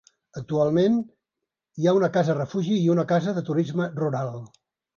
Actualment hi ha una casa refugi i una casa de turisme rural.